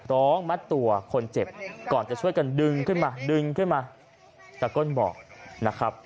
มัดตัวคนเจ็บก่อนจะช่วยกันดึงขึ้นมาดึงขึ้นมาตะก้นบอกนะครับ